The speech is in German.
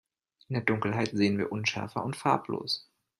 In der Dunkelheit sehen wir unschärfer und farblos.